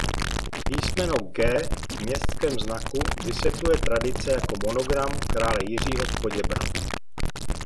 Písmeno „G“ v městském znaku vysvětluje tradice jako monogram krále Jiřího z Poděbrad.